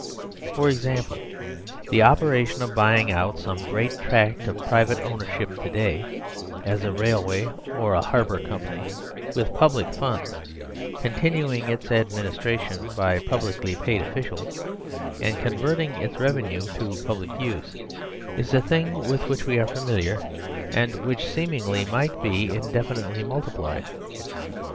For example : the operation of buying out some great tract of private ownership to day (as a railway or a harbour company) with public funds, continu ing its administration by publicly paid officials and converting its revenue to public use, is a thing with which we are familiar and which seemingly might be indefinitely multiplied.